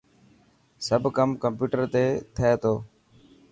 سب ڪم ڪمپيوٽر تي ٿي تو.